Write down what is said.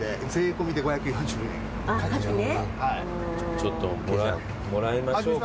ちょっともらいましょうか。